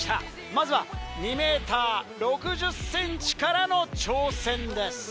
まずは２ｍ６０ｃｍからの挑戦です。